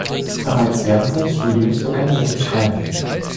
Bereits während seines Studiums begann er mit dem Schreiben.